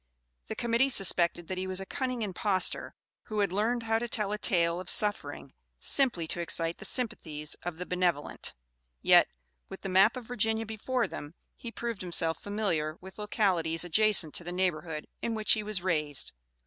The Committee suspected that he was a cunning impostor who had learned how to tell a tale of suffering simply to excite the sympathies of the benevolent; yet, with the map of Virginia before them, he proved himself familiar with localities adjacent to the neighborhood in which he was raised.